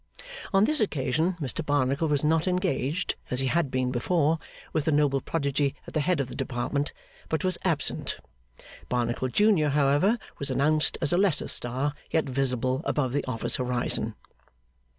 On this occasion Mr Barnacle was not engaged, as he had been before, with the noble prodigy at the head of the Department; but was absent. Barnacle Junior, however, was announced as a lesser star, yet visible above the office horizon.